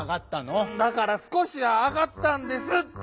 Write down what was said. だから「すこしはあがった」んですって！